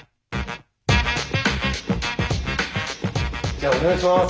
じゃあお願いします。